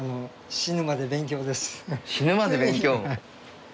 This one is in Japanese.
死ぬまで勉強！